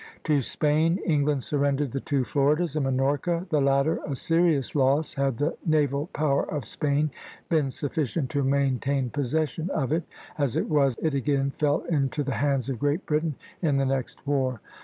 To Spain, England surrendered the two Floridas and Minorca, the latter a serious loss had the naval power of Spain been sufficient to maintain possession of it; as it was, it again fell into the hands of Great Britain in the next war.